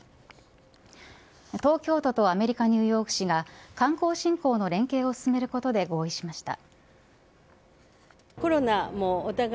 東京都とアメリカ、ニューヨーク市が観光振興の連携を進めることで合意しました。